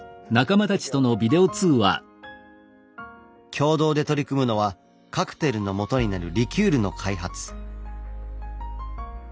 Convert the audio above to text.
共同で取り組むのはカクテルのもとになるリキュールの開発。